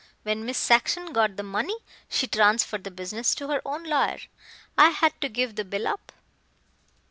When Miss Saxon got the money she transferred the business to her own lawyer. I had to give the bill up."